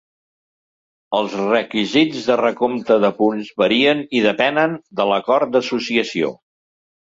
Els requisits de recompte de punts varien i depenen de l'acord d'associació.